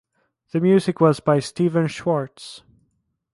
The music was by Stephen Schwartz.